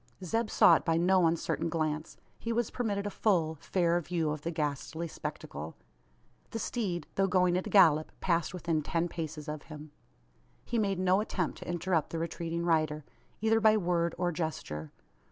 Zeb saw it by no uncertain glance. He was permitted a full, fair view of the ghastly spectacle. The steed, though going at a gallop, passed within ten paces of him. He made no attempt to interrupt the retreating rider either by word or gesture.